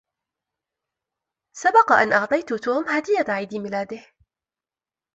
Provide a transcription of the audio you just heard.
سبق أن أعطيت توم هدية عيد ميلاده.